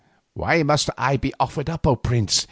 "Why must I be offered up, O prince?"